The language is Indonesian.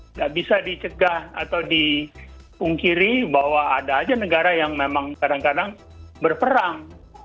nggak bisa dicegah atau dipungkiri bahwa ada aja negara yang memang kadang kadang berperang